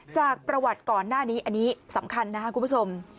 จากประวัติก่อนหน้านี้อันนี้สำคัญนะครับคุณผู้ชม